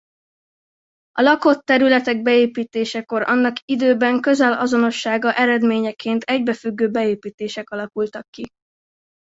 A lakott területek beépítésekor annak időben közel azonossága eredményeként egybefüggő beépítések alakultak ki.